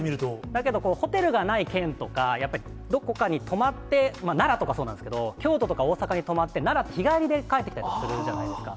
だけど、ホテルがない県とか、やっぱりどこかに泊まって、奈良とかそうなんですけど、京都とか大阪に泊まって、奈良って日帰りで帰ってきたりするじゃないですか、